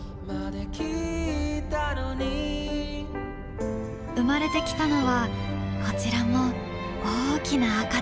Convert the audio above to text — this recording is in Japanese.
生まれてきたのはこちらも大きな赤ちゃん。